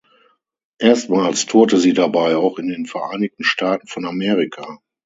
Erstmals tourte sie dabei auch in den Vereinigten Staaten von Amerika.